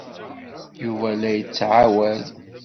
Yuba la d-yettɛawad.